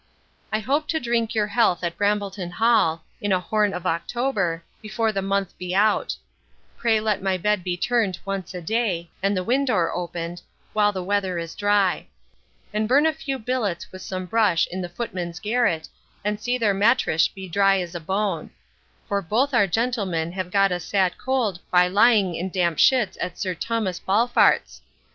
I hope to drink your health at Brambleton hall, in a horn of October, before the month be out Pray let my bed be turned once a day, and the windore opened, while the weather is dry; and burn a few billets with some brush in the footman's garret, and see their mattrash be dry as a bone: for both our gentlemen have got a sad could by lying in damp shits at sir Tummas Ballfart's.